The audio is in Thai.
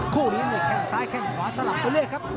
คู่นี้เนี่ยแข้งซ้ายแข้งขวาสลับไปเรื่อยครับ